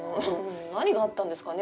何があったんですかね